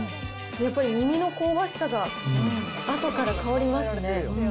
やっぱり耳の香ばしさがあとから香りますね。